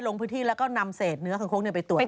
แล้วก็นำเสดเนื้อข้างคกเปย์ตรวจ